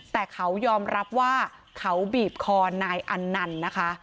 แต่เขายอมรับว่าเขาบีบคอนายอันนันต์นะคะ